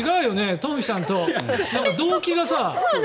東輝さんと動機がさ。